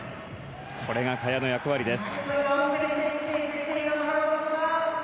これが萱の役割です。